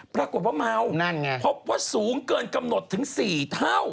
ปรากฏว่าเมานั่นไงพบว่าสูงเกินกำหนดถึง๔เท่า